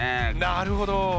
なるほど！